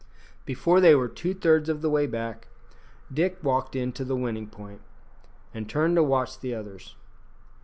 Before they were two thirds of the way back, Dick walked in to the winning point, and turned to watch the others.